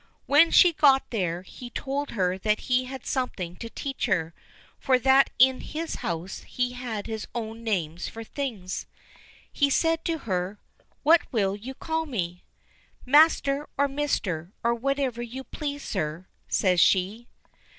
When she got there, he told her that he had something to teach her, for that in his house he had his own names for things. He said to her: "What will you call me?" "Master or mister, or whatever you please, sir," says she.